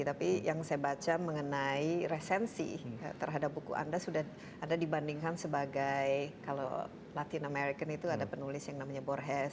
tapi yang saya baca mengenai resensi terhadap buku anda sudah ada dibandingkan sebagai kalau latin american itu ada penulis yang namanya borhes